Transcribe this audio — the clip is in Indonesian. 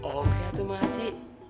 oke tuh mbak haji